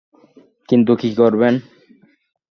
কিন্তু, কী করবেন?